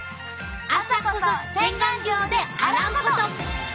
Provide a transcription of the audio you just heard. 「朝こそ洗顔料であらうこと！」。